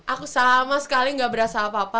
aku sama sekali gak berasa apa apa